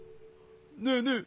ねえねえ。